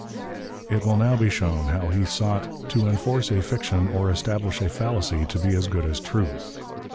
It will now be shown how he sought "to enforce a fiction or establish a fallacy to be as good as truth."